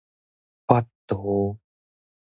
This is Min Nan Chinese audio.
法度